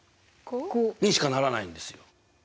５？にしかならないんですよ。